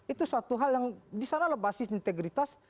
itu suatu hal yang disana lepasin integritas